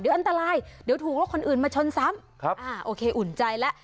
เดี๋ยวอันตรายเดี๋ยวถูกรถคนอื่นมาชนซ้ำครับอ่าโอเคอุ่นใจแล้ว